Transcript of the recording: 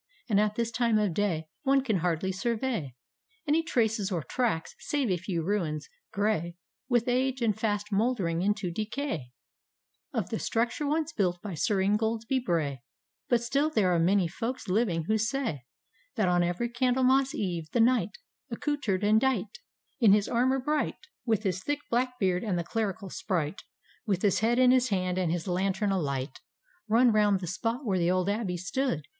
And at this time of day One can hardly survey Any traces or track, save a few ruins, grey With age, and fast mouldering into decay, Of the structure once built by Sir Ingoldsby Bray; But still there are many folks living who say That on every Candlemas Eve, the Knight, Accoutred, and dight In his armour bright. With his thick black beard, — and the clerical Sprite, With his head in his hand, and his lantern alight, Run round the spot where the old Abbey stood.